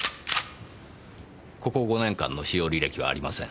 ここ５年間の使用履歴はありません。